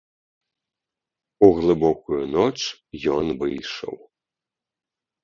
У глыбокую ноч ён выйшаў.